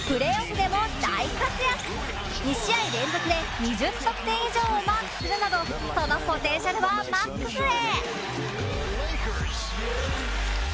２試合連続で２０得点以上をマークするなどそのポテンシャルはマックスへ！